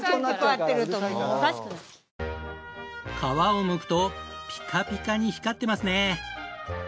皮をむくとピカピカに光ってますね！